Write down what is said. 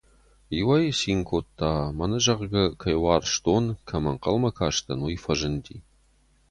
Иуӕй, цин кодта, мӕнӕ, зӕгъгӕ, кӕй уарзтон, кӕмӕ ӕнхъӕлмӕ кастӕн, уый фӕзынди.